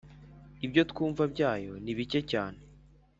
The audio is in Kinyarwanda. Ibyo twumva byayo ni bike cyane